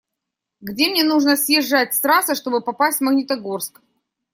Где мне нужно съезжать с трассы, чтобы попасть в Магнитогорск?